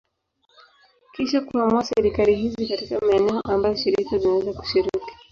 Kisha kuamua serikali hizi katika maeneo ambayo shirika zinaweza kushiriki.